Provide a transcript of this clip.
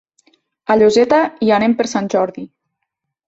A Lloseta hi anem per Sant Jordi.